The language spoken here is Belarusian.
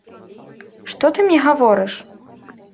Што ты мне гаворыш?